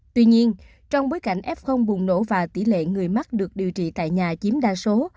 tuy nhiên trong bối cảnh f bùng nổ và tỷ lệ người mắc được điều trị tại nhà chiếm đa số